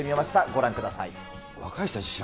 ご覧ください。